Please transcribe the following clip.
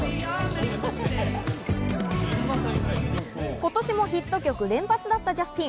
今年もヒット曲連発だったジャスティン。